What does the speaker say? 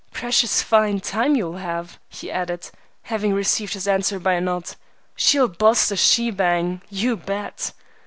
Precious fine time you will have!" he added, having received his answer by a nod. "She'll boss the shebang, you bet!"